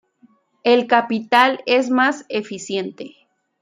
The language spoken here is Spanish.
El capital es más eficiente.